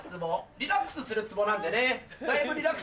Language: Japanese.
リラックスするツボなんでねだいぶリラックス。